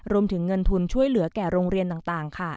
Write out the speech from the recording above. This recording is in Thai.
รวมถึงเงินทุนช่วยเหลือแก่โรงเรียนต่างค่ะ